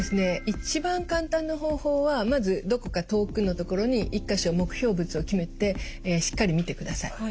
一番簡単な方法はまずどこか遠くの所に１か所目標物を決めてしっかり見てください。